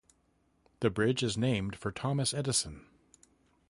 The bridge is named for Thomas Edison.